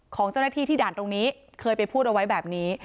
ของเจ้าหน้าที่ที่ด่านตรงนี้เคยไปพูดเอาไว้แบบนี้